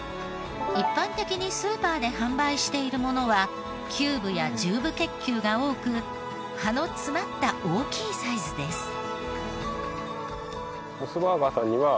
一般的にスーパーで販売しているものは９分や１０分結球が多く葉の詰まった大きいサイズです。